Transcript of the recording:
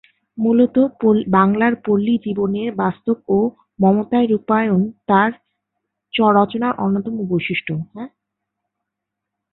মূলতঃ বাংলার পল্লী-জীবনের বাস্তব ও মমতায় রূপায়ণ তার রচনার অন্যতম বৈশিষ্ট্য।